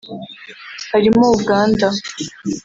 harimo Uganda